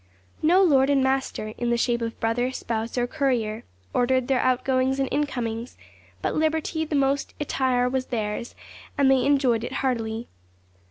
No lord and master, in the shape of brother, spouse, or courier, ordered their outgoings and incomings; but liberty the most entire was theirs, and they enjoyed it heartily.